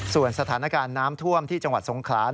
ส่วนสถานการณ์น้ำท่วมที่จังหวัดสงขลา